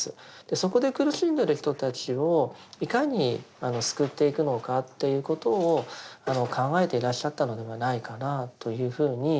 そこで苦しんでる人たちをいかに救っていくのかということを考えていらっしゃったのではないかなというふうに思います。